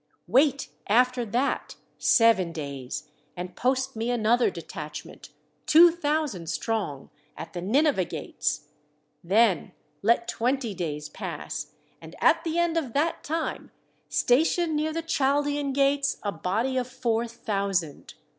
Wait, after that, seven days, and post me another detachment, two thousand strong, at the Nineveh gates; then let twenty days pass, and at the end of that time station near the Chaldasan gates a body of four thousand.